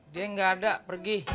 dia nggak ada pergi